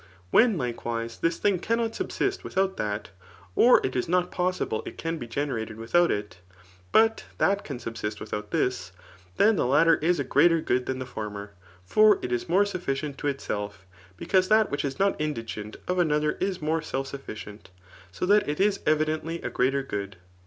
When^ likewise, this thing cannot subsist without that, or it is not possible it can be generated without it, but that can subsist without this, [then the latter is a greater good dian the former ; for it is more sufficient to itself}] be* cause that which is not indigait of another is more self* sufficient ; so that it is evidently a greater good.